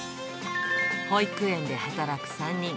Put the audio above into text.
保育園で働く３人。